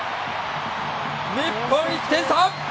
日本、１点差！